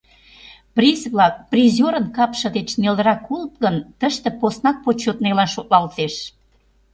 Приз-влак призёрын капше деч нелырак улыт гын, тыште поснак почётныйлан шотлалтеш.